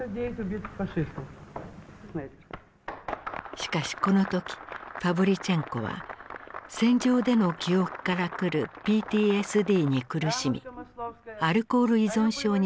しかしこの時パヴリチェンコは戦場での記憶から来るＰＴＳＤに苦しみアルコール依存症に陥っていた。